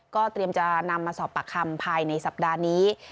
ก็เตรียมจะนำมาสอบปากคำภายในสัปดาห์นี้